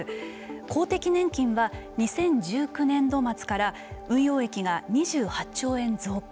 公的年金は２０１９年度末から運用益が２８兆円増加。